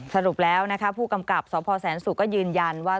สรุปแล้วนะคะผู้กำกับสพแสนสุกก็ยืนยันว่า